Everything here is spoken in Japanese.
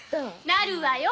なるわよ。